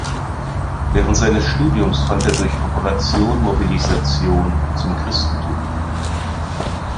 Während seines Studiums fand er durch Operation Mobilisation zum Christentum.